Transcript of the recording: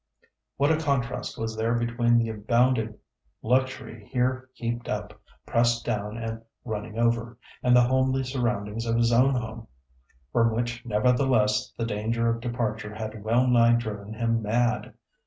What a contrast was there between the abounding luxury here heaped up, pressed down and running over, and the homely surroundings of his own home, from which nevertheless the danger of departure had well nigh driven him mad.